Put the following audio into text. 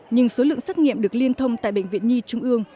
nhưng số lượng xét nghiệm được liên thông tại bệnh viện nhi trung ương